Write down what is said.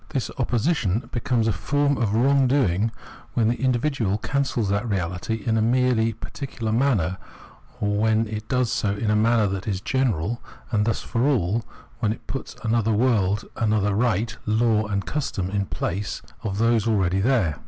This opposition becomes a form of wrongdoing when the individual cancels that reality in a merely par ticular manner, or when it does so in a manner that is general and thus for all, when it puts another world, another right, law, and custom in place of those aheady there.